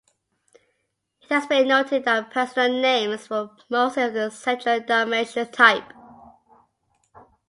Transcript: It has been noted that personal names were mostly of the "Central-Dalmatian type".